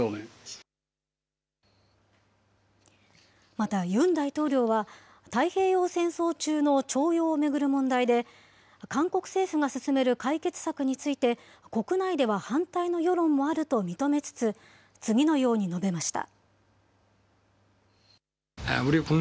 またユン大統領は、太平洋戦争中の徴用を巡る問題で、韓国政府が進める解決策について、国内では反対の世論もあると認めつつ、次のように述べました。